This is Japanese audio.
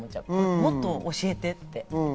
もっと教えてって。